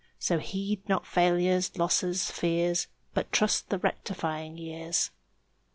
So heed not failures, losses, fears, But trust the rectifying years.